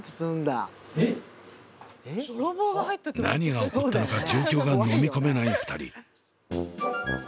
何が起こったのか状況が飲み込めない２人。